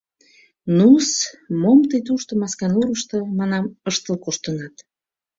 — Ну-с, мом тый тушто, Масканурышто, манам, ыштыл коштынат?